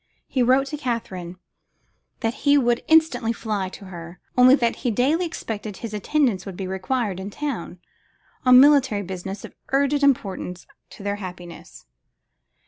He wrote to Katherine that he would instantly fly to her, only that he daily expected his attendance would be required in town, on military business of urgent importance to their happiness.